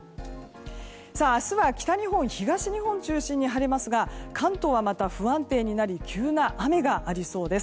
明日は、北日本、東日本を中心に晴れますが関東はまた不安定になり急な雨がありそうです。